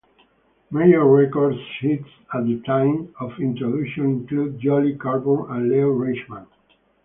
Major record hits at the time of introduction included Jolly Coburn and Leo Reisman.